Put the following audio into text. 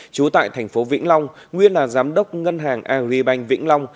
trú tại thành phố vĩnh long nguyên là giám đốc ngân hàng agribank vĩnh long